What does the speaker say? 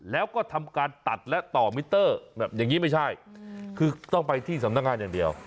แล้วก็ทำการตัดและต่อมิเตอร์แบบอย่างนี้ไม่ใช่คือต้องไปที่สำนักงานอย่างเดียว